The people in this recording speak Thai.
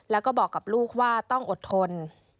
แล้วก็บอกกับลูกว่าต้องอดทน